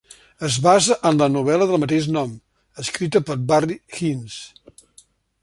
Es basa en la novel·la del mateix nom, escrita per Barry Hines.